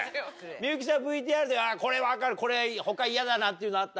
幸ちゃんＶＴＲでこれ分かる他嫌だなっていうのあった？